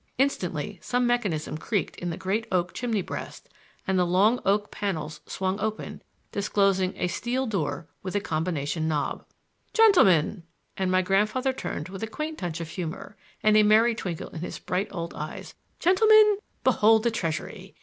Instantly some mechanism creaked in the great oak chimney breast and the long oak panels swung open, disclosing a steel door with a combination knob. "Gentlemen,"—and my grandfather turned with a quaint touch of humor, and a merry twinkle in his bright old eyes—"gentlemen, behold the treasury!